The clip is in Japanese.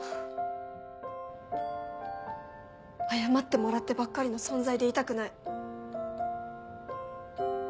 謝ってもらってばっかりの存在でいたくない。